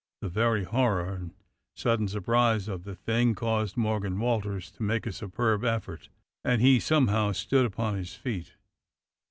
The very horror and sudden surprise of the thing caused Morgan Walters to make a superb effort, and he somehow stood upon his feet.